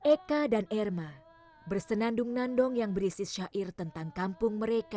eka dan erma bersenandung nandong yang berisi syair tentang kampung mereka